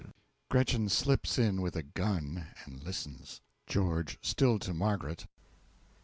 (GRETCHEN slips in with a gun, and listens.) GEO. (Still to Margaret.)